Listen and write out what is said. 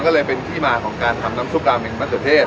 ก็เลยเป็นที่มาของการทำน้ำซุปราเมงมะเขือเทศ